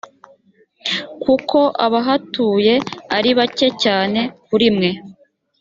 kuko abahatuye ari bake cyane kuri mwe.